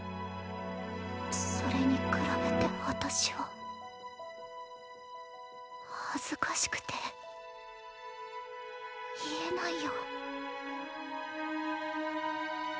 それに比べて私は恥ずかしくて言えないよ